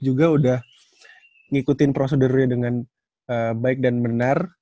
juga udah ngikutin prosedurnya dengan baik dan benar